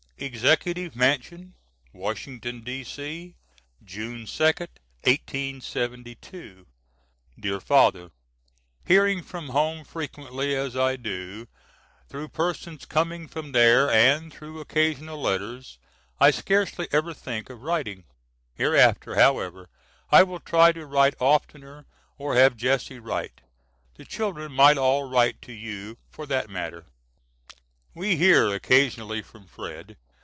EXECUTIVE MANSION Washington, D.C., June 2nd, 1872. DEAR FATHER: Hearing from home frequently as I do through persons coming from there and through occasional letters, I scarcely ever think of writing. Hereafter, however, I will try to write oftener or have Jesse write. The children might all write to you for that matter. We hear occasionally from Fred.